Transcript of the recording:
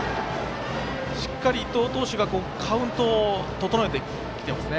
しっかり、伊藤投手がカウントを整えてきていますね。